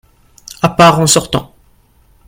A part, en sortant.